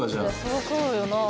そりゃそうよなあ。